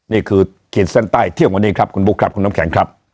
ขีดเส้นใต้เที่ยงวันนี้ครับคุณบุ๊คครับคุณน้ำแข็งครับ